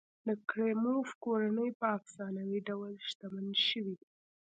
د کریموف کورنۍ په افسانوي ډول شتمن شوي دي.